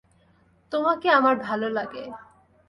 তোমাকে আমার ভালো লাগে।